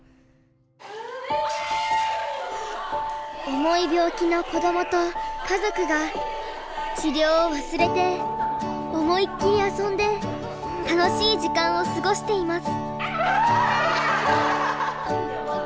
重い病気の子どもと家族が治療を忘れて思い切り遊んで楽しい時間を過ごしています。